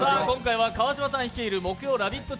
今回は川島さん率いる木曜ラヴィット！